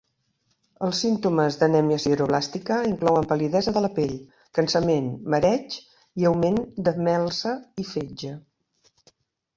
Els símptomes d'anèmia sideroblàstica inclouen pal·lidesa de la pell, cansament, mareig i augment de melsa i fetge.